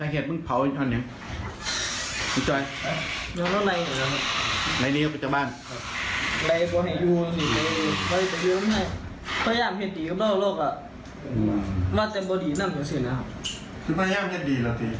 โกหัสี้